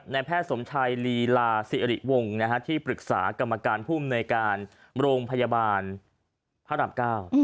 แพทย์สมชัยลีลาศิริวงศ์ที่ปรึกษากรรมการภูมิในการโรงพยาบาลพระรามเก้า